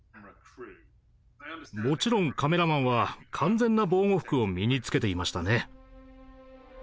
もちろんカメラマンは完全な防護服を身に着けていましたね。